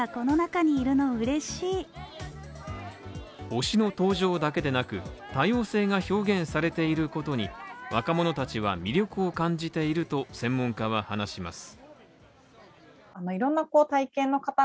推しの登場だけでなく、多様性が表現されていることに、若者たちは魅力を感じていると専門家は話します。